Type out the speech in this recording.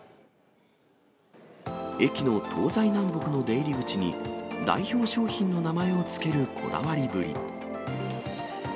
駅の東西南北の出入り口に、代表商品の名前をつけるこだわりぶり。